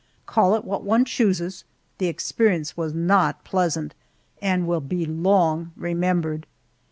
Call it what one chooses, the experience was not pleasant and will be long remembered.